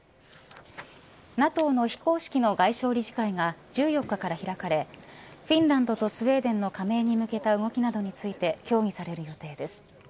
ＮＡＴＯの非公式の外相理事会が１４日から開かれフィンランドとスウェーデンの加盟に向けた動きなどについて協議される予定です。